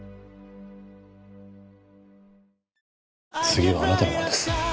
次はあなたの番です。